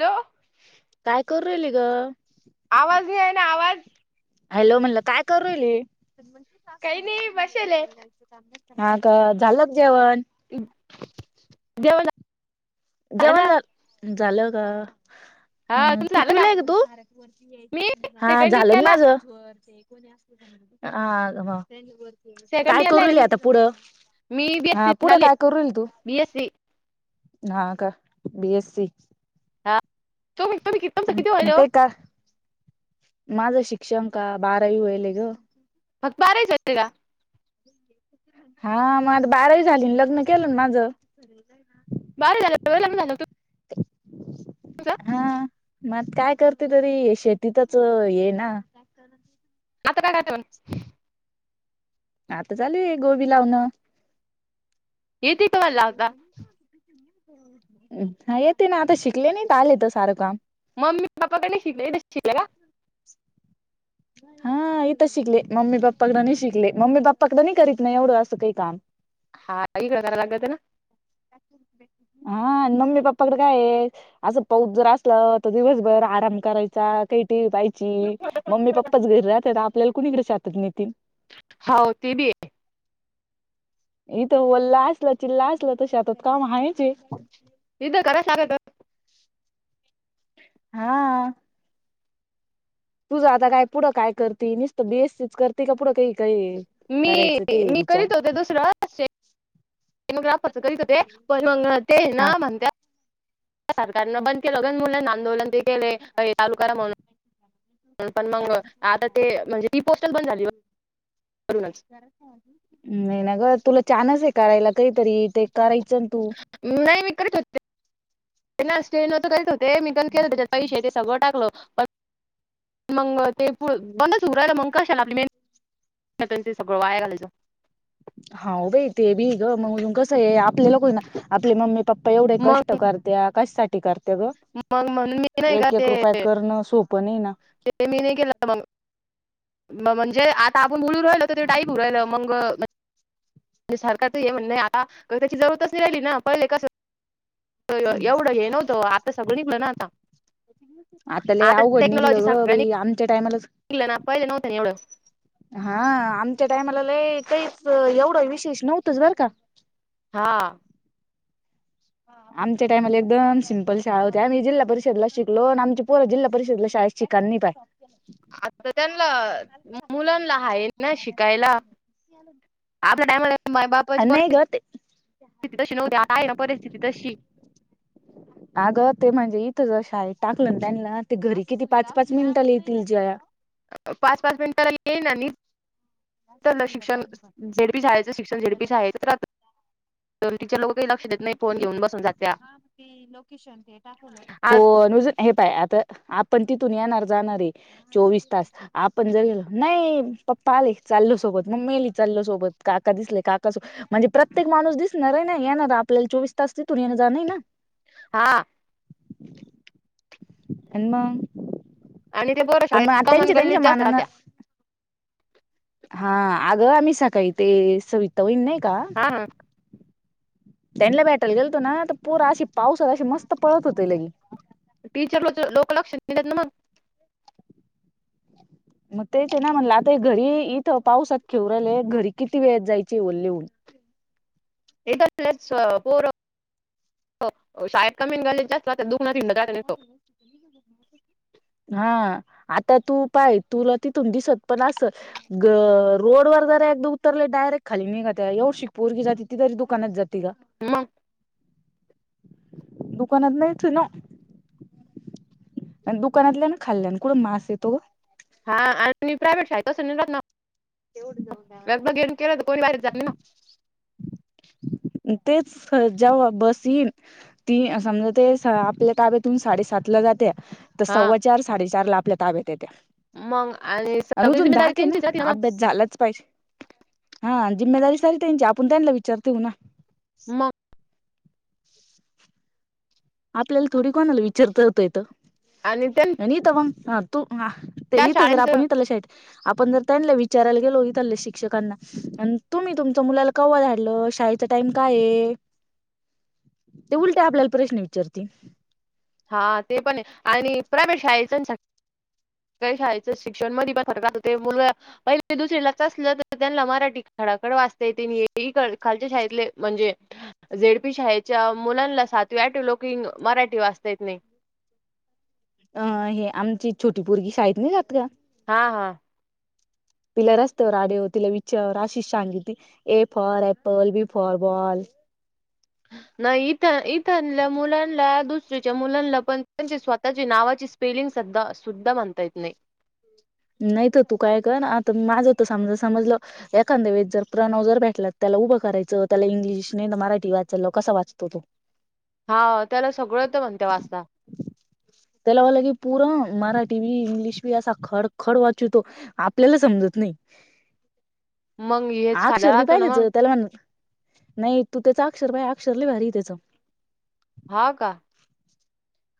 Hello काय करून राहिली गं. आवाज येईना ना, आवाज हॅलो. म्हणलं काय करून राहिली. काही नाही बसेले हा का, झालं का जेवण. जेवन झा जेवण झा झालं गं. हा हं. तुमचं झालं का कितीविला आहे गं तू, मी हा सेकंड झालंन इयरला माझं. ह आ ह काय सेकंड इयरला आहे करूल ना मी आता पुढं हा पुढं काय करूईल तू.. बीएसी. ना का बी एस सी. तुमी ह मग ते का माझं शिक्षण का बारावी होईल ग.. फग बारही ले का. हा मग आता बाराही झाली लग्न केलं ना माझं. य ना [unintelligible] तुमचं हा मग काय करते तरी शेतीतच ये ना. आता काय घातव आता चालू आहे गोबी लावणं. येते का मला लावता हा येते ना आता शिकले नाही आले तर सारं काम. मममी पापपा कडे शिकखले द शिले का. हा इथ शिकले मम्मी पप्पा कडे नाही शिकले मम्मी पप्पाकडं नाही करत नाही एवढं असं काही काम. [unintelligible] हा क करा लागतात ना. हा मम्मी पप्पा पप कडे काय. असं पाऊस जर असलं तर दिवसभर आराम करायचा काही. पायची मम्मी पप्पाच घरी राहतात आपल्याला कुणीकडे शहातात नितीन.. हो ते बी. इथं ल्ला असला चिल्ला असल तर शेतात काम आहेायचे. इ करासगत. हा. तुझं आता काय पुढं काय करतेसत बि ए सी च कर. कपडो काय काय. मी मी करीत होते दुसरं मग्राफच कधीच ते पण म ते हा ना म्हणते. सरकारनं बंद केलंण मुलांना आंदोलन ते केले तलुकाला म्हण. पण मग आता ते म्हणजे री पोस्टल पण झालीूनच. नाही ना ग तुला छानच आहे करायला काहीतरी ते करायचं ना तू नाही मी करीत होते स्टेज करत होते. ते मीघण केलं त्याच्या पैसे ते सगळं टाकलं प मग ते बंदच उ राहि मग कशालाली मे. त्यां सगळ वायायलाो. हा बे ते बी ग मगजून कसं आहे. आपले लोक ना आपले मम्मी पप्पा एवढे मग कष्ट करते कशसाठी करते ग मग म्हणून मी नाही का एक ते एक रुप करणं सोपं नाही ना. ते मी नाही केलं मग म्हणजे आता आपण बोलून राहिल तर ते डाईप राहिलं मग. म्हणजे सरकार त हे म्हण आता त्याची जरतच नाही राहिली ना पहिले कस. एवढं हे नव्हतं आता सगळी पण आता. आता ल अवघड टेक्नॉलॉजी निघलं ग सगळ्यांनी बा आमच्या टायमालाच. ना पाहि न होतनी एवढं. हा आमच्या टायमाला ल काहीच एवढं विशेष नव्हतच बरं का. हा. आमच्या टायला एकम सि्पल शा हो्या आम्हीिल्हा परिषदला शिकलो आणि आमची पोरा जिल परिषदला शाळा श चिकन पाहि. आता त्यांना मुलांना आहेा ना शिकायला. आपल्या टाइम मा बाप बोोल. नाही ग ते तशी नव्ह्या आता आहे ना परिस्थिती तशी. अगं ते म्हणजे इथंचशा आहे टाकलं त्यांना ते घरी किती पाच पाच मिनिटला येतील ज.. पाच पाच मिनिटला ये ना. शिक्षण झेडपीयचं शिक्षण झेडपीयचं तर आ. तिच्या लोक काही लक्ष देत नाही फोन घेऊन बसून जात्या फोनजून हे पाय आता आपण तिथून येणार जाणार आहे चोवीस तास. आपण जर गेलो नाही पप्पा आले चाल सोबत मम्मी आली चालो सोबत काका दिसले काका सोबत. म्हणजे प्रत्येक माणूस दिसणार आहे ना येणार आपल्याला चोवीस तास तिथून येणं जाणार ना. हा. एमा आणि ते बरं पण शाळेत तेच कमान तेच गल्लीत मा जास्त न. राहत्या हा अगं आम्ही सकाळी ते सवितावईण नाही का. हा हा.. त्यांला भेटायला गेलतो ना तर पोरा अशी पाऊस अशी मस्त पळत होते लगे. टीचर ल लोक लक्ष दिलेत ना मग. मग तेच ना म्हणलं आता घरी इथं पावसात खेवराले घरी किती वेळेत जायचे ओल्लेहून. पोर शाळेत कमीन गाले जास्त दुख. [inaudible] [inaudible] हा आता तू पाय तुला तिथून दिसत पण अस. ग रोड वर जरा एकदा उतरले डायरेक्ट खाली मी का त्या येऊ शिकपूर की जाती ती तरी दुकानात जाते का. म दुकानात नाहीच ना. दुकानातल्या ना खाल्ल्यान कुठं मास येतो. हा आणि प्रायव्हेट शा आहे तसं नि ना लग घेऊन केलं तर कोणी वारीत झाली ना. तेच जव बस येन. ती समजा ते आपल्या कााब्यातून साडेसात ला जाते. तर हा सव्वा चार साडेचार ला आपल्या ताब्यात येत्या. मग आणि सगळी जिमेदारी त्यांची जाते मग. झालंच पाहिजे हा जिम्ेदारी सली त्यांची आपण त्यांना विचारतेऊ ना. मग. आपल्याला थोडी कोणा आला विचारततोयेत. आणि त्यां आणि तर मग तू ते त्या इथ जर शाळेचं आपण त्याला शा, आपण जर त्यांना विचारायला गेलो इथले शिक्षकांना आणि तुम्ही तुमच्या मुलाला. कवा धडलं शाळेचा टाइम काय आहे. ते उलटा आपल्याला प्रश्न विचारते हा ते पण आणि प्रायवे्हेट शाळेच. काही शाळेच शिक्षण मध्ये प सर हो मुलग. पहि म दुसरी ला चलं तर त्यांना मराठी खडाखड वाचता येेते हे खालच्या शाळेतले म्हणजे,, झेडपी शाळेच्या मुलांना सातवी आठ लोकंग मराठी वाचता येत नाही. अं हे आमची छोटी पोरगी शाळेत नाही जात का. हा हा तिला रस्त्यावर आडव तिला विचवर आशिष सांगित तती A for apple B for बॉ नाही इथ इथल्या मुलांना दुसरीच्या मुलांना पण त्यांचे स्वतःची नावाची स्पेलिंग सध शद्ध माणतायत नाही नाहीत तू काय कर आता माझं तर समज समजलं. एखांदे वेळेस जर प्रणव जर भेटला त्याला उभं करायचं. त्याला इंग्लिश नाही मराठी वाचायला लाव. कसा वाचतो तो. हावं. त्याला सगळं येत म्हणत्या वाचता. त्याला म्हणलं की पूर मराठीबी, इंग्लिशबी असं खड - - खड वाचितो. आपल्याला समजत नइ. मग हेच फायदा अक्षर भी राहतो ना पायलीत मग तेलवन नाही. तू त्याच अक्षर पायं. अक्षर लई भारी हाय त्याच. हा का.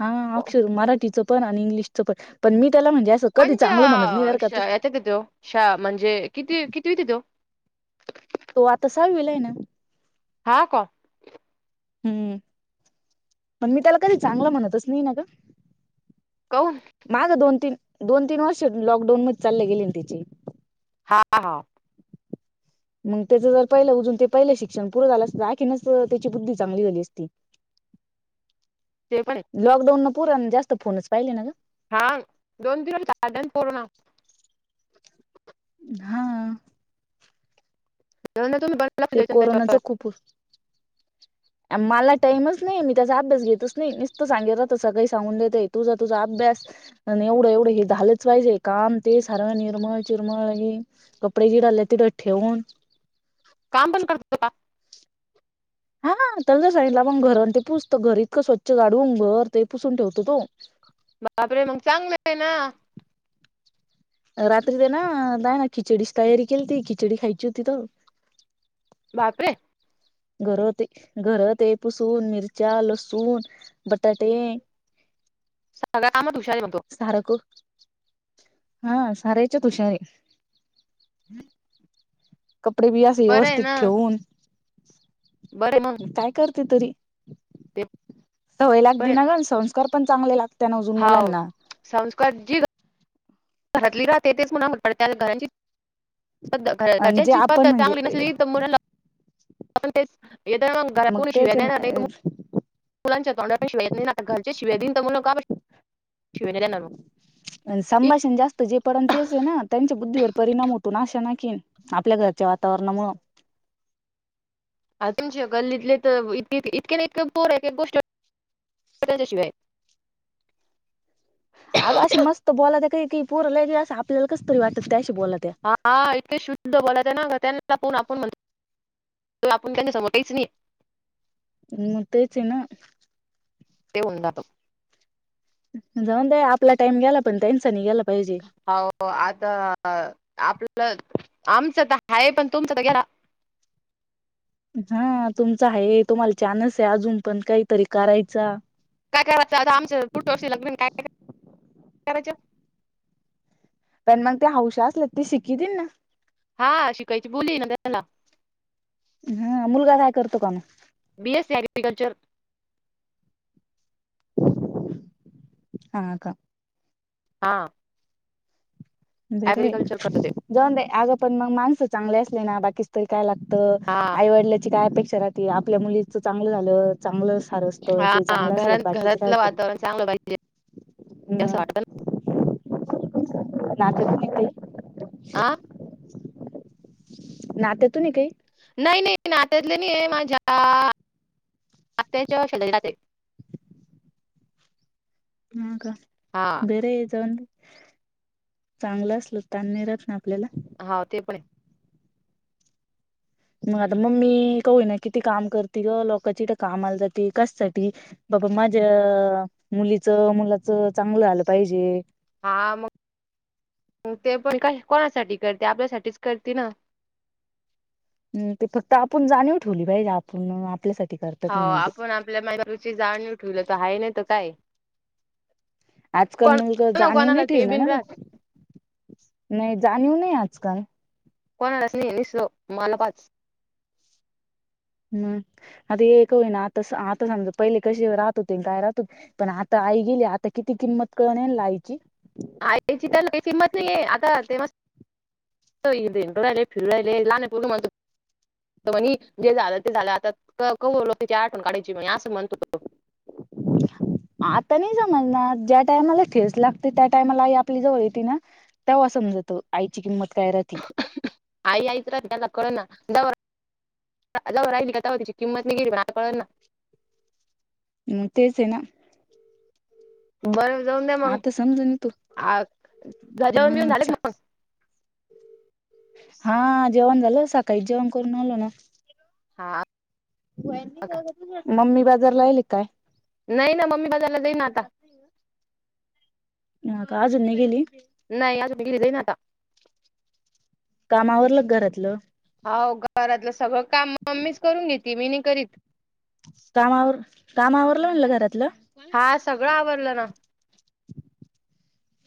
हा. को- अक्षर मराठीचं पण आणि इंग्लिशच पण, पण मी त्याला म्हणजे अस असं कधीचं - - चांगलं म्हणत नाही बर का तू. त तो [unintelligible] शा म्हणजे किती कितवीत हाय तो? तो आता सांवीला हेना. हां का. हम्म. पण मी त्याला कधी चांगला म्हणतच नाही ना गं. काहुन? माझं दोन, तीन दोन, तीन वर्ष लॉकडाऊन मध्ये चाले गेले ना तेचे - - हा. [unintelligible] मग त्याचं जर पहिलं अजून ते पहिलं शिक्षण पूरं झालं असतं तर आणखीनच त्याची बुद्धी चांगली झाली असती. ते पण है. लॉकडाऊन पुरान जास्त फोनच पाहिले ना गं. हां. दोन दिवस [unintelligible] हा. [unintelligible] तुम्ही पण? लक्ष ते द्यायचं ना त्याच्यावर कोरोनाचं खूप हो - - [inaudible] मला टामच नाही. मी त्याचा अभ्यास घेतच नाही. नुसतं सांगेल राहत सगळी सांगुन देते. तुझा तुझा अभ्यास- - एवढं एवढं हे झालंच पाहिजे. काम ते सार निरमळ चिरमळ हे कपडे [unintelligible] तेथं ठेवुन काम पण करत - - हा ना. तर [unintelligible] सांगितलं मग घर आणि ते पुसतो. घर इतकं स्वच्छ झाडून घर ते पुसून ठेवतो तो. बापरे! मग चांगले हे ना. रात्री ते ना नाही ना खिचडीची तयारी केलती. खिचडी खायची होती तर. बापरे! घर ते, घर ते पुसून मिरच्या, लसुण - - बटाटे. सगळ्या कामात हुशार हैमतो. सारक. हा. साऱ्या हेच्यातय हुशार यं. हम्. कपडे बि असे व्यवस्थित ठेवुन. बरं मगं. काय करते तरी. सवय पण लागदी आहे. ना गं. संस्कार पण चांगले लाग- - त्यांन अजून हाव मुलानला. संस्कार जी घरातली राहते तेचं पुन्हा [unintelligible] त्या घरांची - - आणि जे घरच्याचीचं आपण पद्धत म्हणजे चांगली नसली तर मुलानला आपण तेचं येताना मगं मग घरा [unintelligible] शिव्या तेच आहे देणार नाही तु. ना मुलांच्या तोंड्या पण शिवा येत नाही ना. घरच्या शिव्या दिनं तर मुलं का [inaudible] शिव्या देणारं मगं. संभाषण जास्त जे परण तेच हेना. त्यांच्या बुद्धीवर परिणाम होतो नाशा अनखी - - [unintelligible] आपल्या घरच्या वातावरण मूळ. आ तुमच्या कल्लीतले तर इ इतके एक पोर एक एक गोष्ट त्याच्याशिवाय अगं अशी मस्त बोलात काही काही परला असं आपल्याला कस तरी वाटत त्याशी बलात्या हा इतके शुद्ध बोलात ना त्यांना प आपण म्हण तो आपण त्यांना समोयच नाही म तच ना ते उत जाऊन द आपला टाइम गेला पण त्यांनचानी गेला पाहिजे हो आता आपलं आमचं तर हा पण तुमचं तर घरा हा तुमच आहे तुम्हाला छानस आहे अजून पण काहीतरी करायचा काय करायचं आता आमचं फूठ वर्षी लगेन काय कायय करायचं पण मग ते हौश असल ते शिकीतील ना हा शिकायची बोली ना त्याला हा मुलगा काय करतो का म बी एस अग्रिकलचर हा का हा बरे ऍग्रिकल्चर करत ते जाऊन अगं पण मग माणसं चांगले असले ना बाकी तरी काय लागत हा आईवडल्याची काय अपेक्षा राहते आपल्या मुलीच चांगलं झालं चांगलं ार असतो हा ते चांगलं असल घरात बाकीच घरातलं कायतरी वातावरण चांगलं पाहिजे म असं वाटतं नातत नाही का ना हा नात्याेत नाही काही नाही नाही नात्यातले नाही आहे माझ्या आत्याच्या श ह का हा घरे जाऊन चांगलं असल तण मिळत ना आपल्याला हा ते पण मग आता मग मी कू ना किती काम करते ग लोकची इथ कामा आला जात कससाठी बाबा माझ्या मुलीच मुलाच चांगलं आलं पाहिजे हा मग ते पण का कोणासाठी करते आपल्यासाठीच करते ना हम ते फक्त आपण जाणीव ठेवली पाहिजे आपण आपल्यासाठी हो करतात म्हणून ते आपण आपल्या माूची जाणणीव ठेवलं तर ह नाहीत काय आजकाल कोण मुलग ना जाणीव नाही कोणाला ठे ते ना ना बिन ग राहत. नाही जाणीव नाही आजकाल कोणालास नाही निसलो माला पाच हम्म आता एक का होई ना आता आता समजा पहिले कसे राहत होते काय राहत होते पण आता आई गेली आता किती किंमत कळण आहेल ना आईची याची तर किंमत नाही आहेे आता ते म इ एं राहिले फिर राहियले ला नाही पो म म्हणे जे झालं ते झालं आता कलो त्याच्या आठून काढयची म्हणे असं म्हणतो त आता नाही समज ना ज्या टायमाला ठेच लागते त्या टायमाला आई आपली जवळ येत ना तेव्हा असंमजत आईची किंमत काय राह आई आयत रा ककळ ना द जाऊ राहिली का त्या तिची किंमत नाही गेली मला कळ ना तेच ना बरं जाऊन द्या मग आता समजून येतो घजावरून घेऊन हा झाले चा का मग हा जेवण झालं सकाळीच जेवण करून आलो ना हा का मम्मी बाजारला आले काय नाही ना मम्मी बाजायला देई ना आता ना का अजर नाही गेली नाही आज गेरीलं ना आता कामावरल घरातलं हाव घरातलं सगळं काम मम्मीच करून घेते मी नाही करीत काम आवरलं कामा आवरलं म्हणलं घरातलं हा सगळं आवडलं ना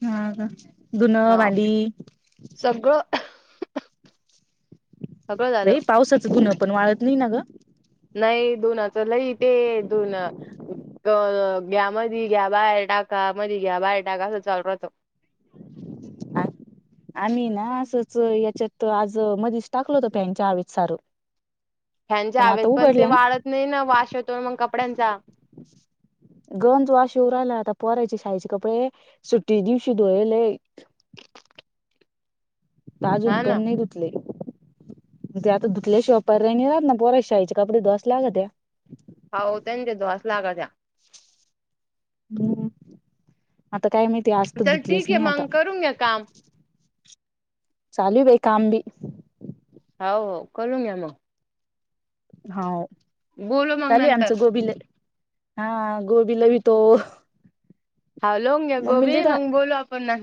हा धुन हा भांडी सगळं सगळं झालं. बाई पावसाचा धून पण वाळत नाही ना ग नाही दोनचं लईट दोन ग घा मधी बाहेर टाका घ्या मधी बाहेर टाका अस चालू राहत [inaudible] आम्ही ना असंच याच्यात आज मधीच टाकलो होत प्याच्या आवीत सारू ह्यांचे हवेत पण ते ना वाळत नाही ना वाश होतो ना मग कपड्यांचा गाऊन येऊ राहिला आता पोरायची शाळेचे कपडे सुट्टी ची दिवशी धुयाले बाजून हा पण ना. नाही ते आता धुतल्या शिवाय पाऱ्याय नाय राहत ना पोराची शाळेच कापड धुयाय च लागते ना [unintelligible] म आता काय माहिती आस्त चल धुतलेस ठीक आहे नाही आता मग करून घ्या काम. चालू बाई काम बी हा हाव कलून घ्या मग होव बोलू मग चालेू नंतर. आमचं गोबीला हा गोबीला भी तो हा लवून घ्या मम्मीला गोबी देत मग बोलू आपण